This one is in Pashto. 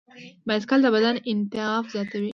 بایسکل د بدن انعطاف زیاتوي.